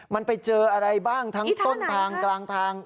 มันไปเจออะไรบ้างทั้งต้นทางกลางทาง